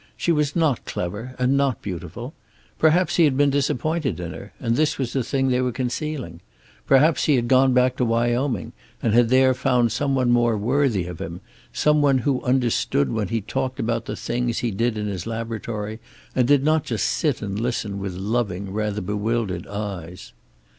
She was not clever and not beautiful. Perhaps he had been disappointed in her, and this was the thing they were concealing. Perhaps he had gone back to Wyoming and had there found some one more worthy of him, some one who understood when he talked about the things he did in his laboratory, and did not just sit and listen with loving, rather bewildered eyes.